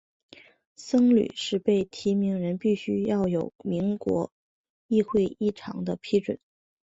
僧侣的被提名人必须要有国民议会议长的批准。